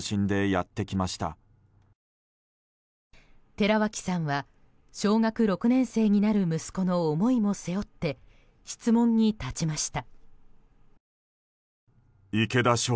寺脇さんは、小学６年生になる息子の思いも背負って質問に立ちました。